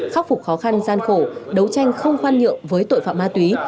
khắc phục khó khăn gian khổ đấu tranh không khoan nhượng với tội phạm ma túy